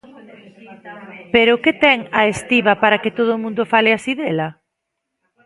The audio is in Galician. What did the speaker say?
Pero que ten A Estiba para que todo o mundo fale así dela?